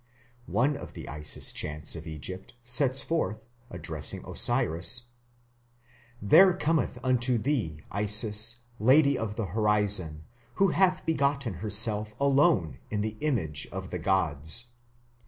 One of the Isis chants of Egypt sets forth, addressing Osiris: There cometh unto thee Isis, lady of the horizon, who hath begotten herself alone in the image of the gods....